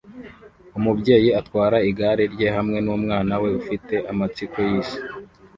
Umubyeyi atwara igare rye hamwe numwana we ufite amatsiko yisi